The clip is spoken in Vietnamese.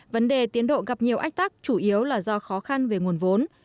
vấn đề tiến độ gặp nhiều ách tắc chủ yếu là do khó khăn về nguồn vốn